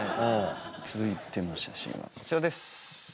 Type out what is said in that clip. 続いての写真はこちらです。